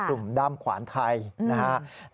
ด้ามขวานไทยนะครับ